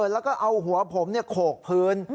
แล้วก็เอาหัวผมโขกพื้น